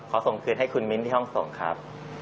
ส่งคืนให้คุณมิ้นที่ห้องส่งครับ